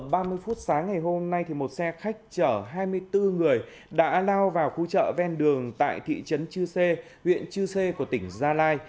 đã đưa vào khoảng sáu h ba mươi phút sáng ngày hôm nay một xe khách chở hai mươi bốn người đã lao vào khu chợ ven đường tại thị trấn chư sê huyện chư sê của tỉnh gia lai